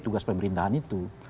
tugas pemerintahan itu